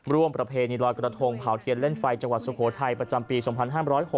ประเพณีลอยกระทงเผาเทียนเล่นไฟจังหวัดสุโขทัยประจำปี๒๕๖๖